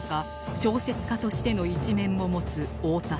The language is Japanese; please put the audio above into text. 小説家としての一面も持つ太田さん